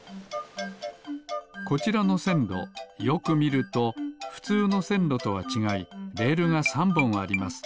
こちらのせんろよくみるとふつうのせんろとはちがいレールが３ぼんあります。